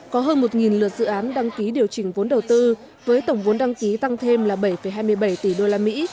có hơn một lượt dự án đăng ký điều chỉnh vốn đầu tư với tổng vốn đăng ký tăng thêm là bảy hai mươi bảy tỷ đô la mỹ